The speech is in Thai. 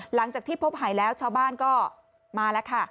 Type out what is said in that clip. หลังจากที่พบหายแล้วชาวบ้านก็มาแล้วค่ะ